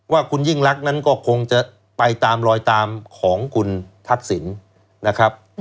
ว่าคุณยิ่งรักนั้นก็คงจะไปตามรอยตามของคุณทักษิณนะครับ